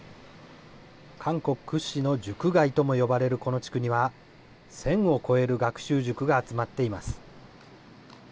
韓国屈指の塾街と呼ばれるこの地区には、１０００を超える学習塾が集まっています。